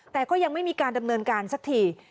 แต่ก็ยังไม่มีการดำเนินการสักที